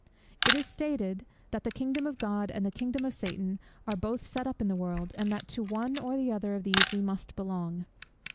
It is stated, that the kingdom of God and the kingdom of Satan are both set up in the world, and that to the one or the other of these we must belong.